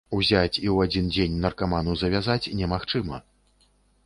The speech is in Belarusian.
Узяць і ў адзін дзень наркаману завязаць немагчыма.